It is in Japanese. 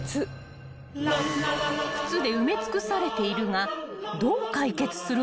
［靴で埋め尽くされているがどう解決するのか］